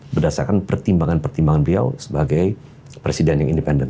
berdasarkan pertimbangan pertimbangan beliau sebagai presiden yang independen